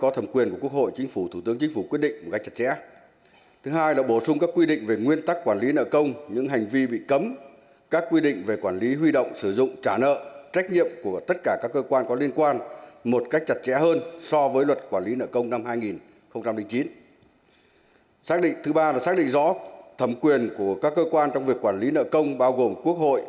thứ ba là xác định rõ thẩm quyền của các cơ quan trong việc quản lý nợ công bao gồm quốc hội